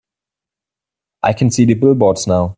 I can see the billboards now.